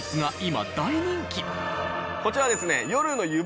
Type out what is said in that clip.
こちらですね